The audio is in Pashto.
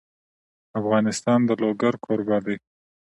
افغانستان د لوگر کوربه دی.